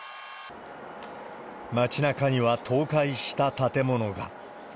町なかには倒壊した建物が。